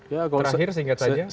terakhir singkat saja